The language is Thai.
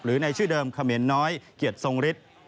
ในชื่อเดิมเขมรน้อยเกียรติทรงฤทธิ์